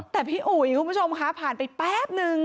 แต่พี่อุ๋ยคุณผู้ชมคะผ่านไปแป๊บนึง